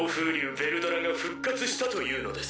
ヴェルドラが復活したというのです。